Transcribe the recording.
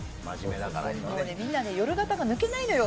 みんな夜型が抜けないのよ。